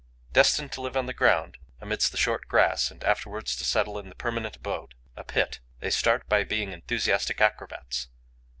Destined to live on the ground, amidst the short grass, and afterwards to settle in the permanent abode, a pit, they start by being enthusiastic acrobats.